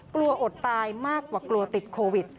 อดตายมากกว่ากลัวติดโควิด